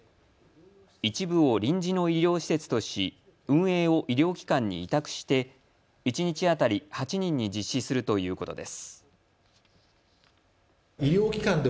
一部を臨時の医療施設とし、運営を医療機関に委託して一日当たり８人に実施するということです。